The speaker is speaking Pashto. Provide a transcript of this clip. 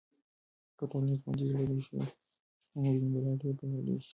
که ټولنیز بندیزونه لرې شي نو نجونې به لا ډېرې بریالۍ شي.